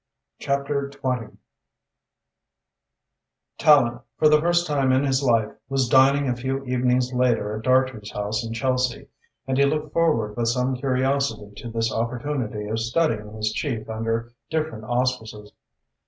CHAPTER VI Tallente, for the first time in his life, was dining a few evenings later at Dartrey's house in Chelsea, and he looked forward with some curiosity to this opportunity of studying his chief under different auspices.